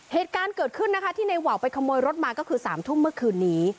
เหตุการณ์เกิดขึ้นนะคะที่ในวาวไปขโมยรถมาก็คือ๓ทุ่มเมื่อคืนนี้